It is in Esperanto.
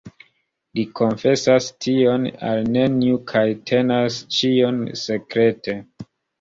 Li konfesas tion al neniu kaj tenas ĉion sekrete.